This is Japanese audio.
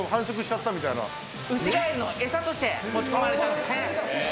ウシガエルのエサとして持ち込まれたんですね。